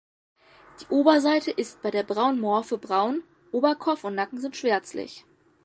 Die Oberseite ist bei der braunen Morphe braun, Oberkopf und Nacken sind schwärzlich.